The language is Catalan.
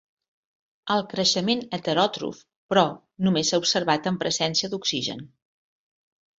El creixement heteròtrof, però, només s'ha observat en presència d'oxigen.